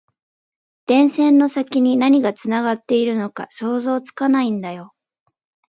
電線の先に何がつながっているのか想像つかないんだよ